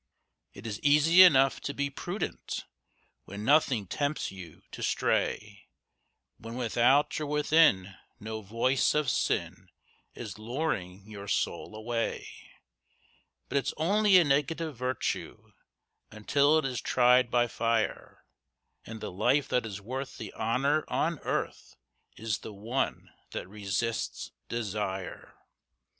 It is easy enough to be prudent When nothing tempts you to stray, When without or within no voice of sin Is luring your soul away; But it's only a negative virtue Until it is tried by fire, And the life that is worth the honour on earth Is the one that resists desire.